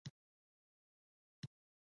دا سیمه ډیره ګرمه او وچه ده.